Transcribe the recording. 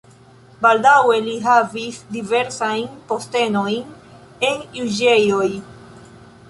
Baldaŭe li havis diversajn postenojn en juĝejoj.